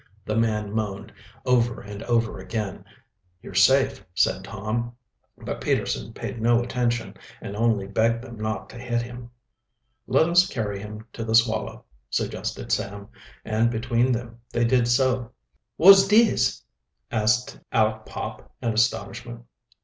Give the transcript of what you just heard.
the man moaned, over and over again. "You're safe," said Tom. But Peterson paid no attention, and only begged them not to hit him. "Let us carry him to the Swallow," suggested Sam, and between them they did so. "Wot's dis?" asked Aleck Pop, in astonishment.